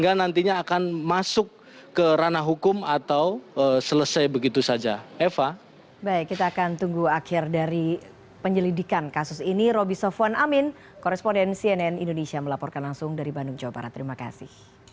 badan pengawasan obat dan makanan bepom mengeluarkan rilis hasil penggerbekan tempat produksi bihun berdesain bikini